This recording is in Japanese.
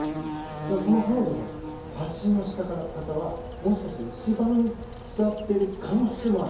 だから、この彼女の発信の仕方はもしかして一番伝わっている可能性もある。